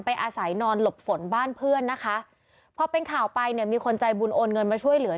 อาศัยนอนหลบฝนบ้านเพื่อนนะคะพอเป็นข่าวไปเนี่ยมีคนใจบุญโอนเงินมาช่วยเหลือ